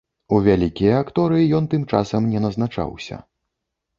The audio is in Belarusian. У вялікія акторы ён тым часам не назначаўся.